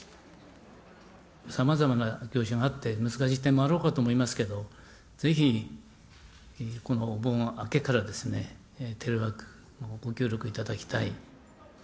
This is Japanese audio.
さまざまな業種があって、難しい点もあるとかと思いますけれども、ぜひこのお盆明けからですね、テレワークのご協力いただきたい。